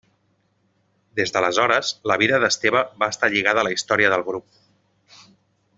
Des d'aleshores la vida d'Esteve va estar lligada a la història del grup.